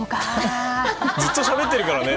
ずっとしゃべってるからね。